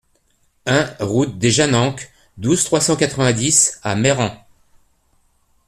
un route des Janenques, douze, trois cent quatre-vingt-dix à Mayran